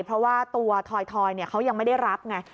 เพราะว่าตัวทอยเขายังไม่ได้รับไง